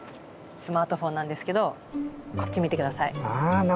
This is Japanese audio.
スマートフォンなんですけどこっち見て下さい。